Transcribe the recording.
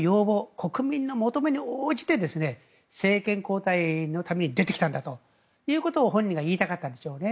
国民の求めに応じて政権交代のために出てきたんだということを本人が言いたかったんでしょうね。